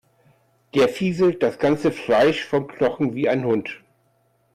Der fieselt das ganze Fleisch vom Knochen, wie ein Hund.